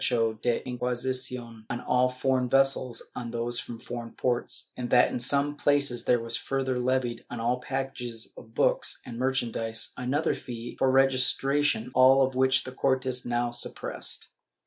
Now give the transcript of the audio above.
520 CENSORSHIP [Book VIII derecho de Inquisicion on all foreign vessels or those from foreign parts, and that in some places there was further levied on all pack ages of books and merchandise another fee for registration — all of which the C6rtes now suppressed.